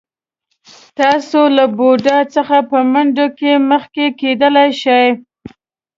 تاسو له بوډا څخه په منډه کې مخکې کېدلی شئ.